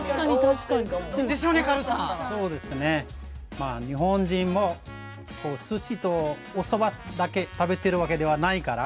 まあ日本人もおすしとおそばだけ食べてるわけではないから。